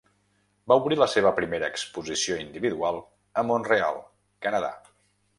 Va obrir la seva primera exposició individual a Mont-real, Canadà.